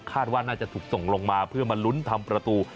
ว่าน่าจะถูกส่งลงมาเพื่อมาลุ้นทำประตู